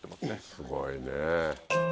すごいねぇ。